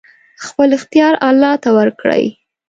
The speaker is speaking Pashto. خپل اختيار الله ته ورکړئ!